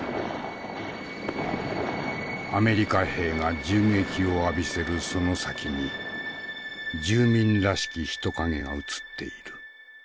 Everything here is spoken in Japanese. アメリカ兵が銃撃を浴びせるその先に住民らしき人影が映っている。